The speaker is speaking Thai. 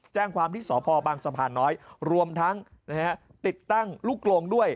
แจ้งความที่สพบางสะพานน้อยรวมทั้งติดตั้งลูกกลงด้วย